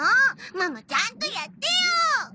ママちゃんとやってよ！